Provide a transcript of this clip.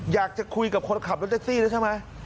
อยากจะคุยกับคนขับรถแท็กซี่แล้วใช่ไหม